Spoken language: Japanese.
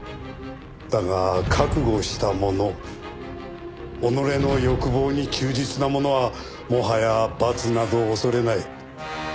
だが覚悟した者己の欲望に忠実な者はもはや罰など恐れない。